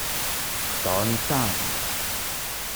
Tony Tan